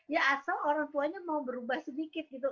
ya asal orang tuanya mau berubah sedikit gitu